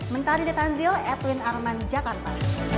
mentari letanzil edwin arman jakarta